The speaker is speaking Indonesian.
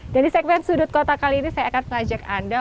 dan di segmen sudut kota kali ini saya akan mengajak anda